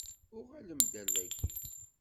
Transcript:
Uɣalem-d ar daki.